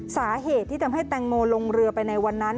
สาเหตุที่ทำให้แตงโมลงเรือไปในวันนั้น